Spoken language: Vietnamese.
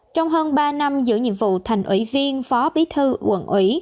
trong hơn ba năm giữ nhiệm vụ thành ủy viên phó bí thư quận ủy